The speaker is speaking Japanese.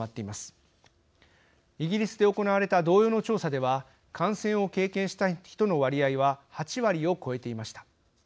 イギリスで行われた同様の調査では感染を経験した人の割合は８割を超えていました。